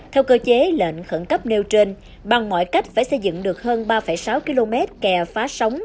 theo cơ chế lệnh khẩn cấp nêu trên bằng mọi cách phải xây dựng được hơn ba sáu km kè phá sóng